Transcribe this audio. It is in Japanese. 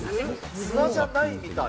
砂じゃないみたい。